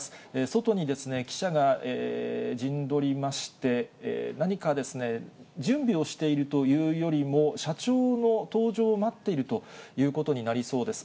外に記者が陣取りまして、何か準備をしているというよりも、社長の登場を待っているということになりそうです。